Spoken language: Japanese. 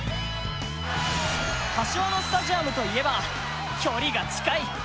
柏のスタジアムといえば、距離が近い！